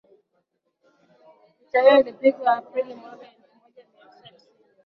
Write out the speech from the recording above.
picha hiyo ilipigwa aprili mwaka elfu moja mia tisa tisini